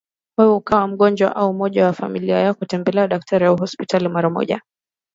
wewe ukawa mgonjwa au mmoja wa familia yako, tembelea daktari au hospitali mara moja.